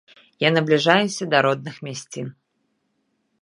Я набліжаюся да родных мясцін.